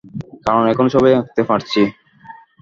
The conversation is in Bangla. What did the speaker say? কারণ, এখনো ছবি আঁকতে পারছি।